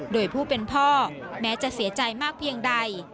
โดยผู้เป็นพ่อแม้จะเสียใจมากเพียงใด